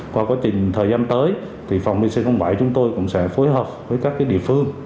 qua quá trình thời gian tới thì phòng pc bảy chúng tôi cũng sẽ phối hợp với các địa phương